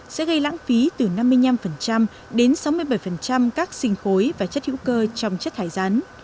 sẽ gây lãng phí từ năm mươi năm đến sáu mươi bảy các sinh khối và chất hữu cơ trong chất thải rắn